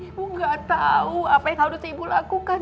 ibu gak tahu apa yang harus ibu lakukan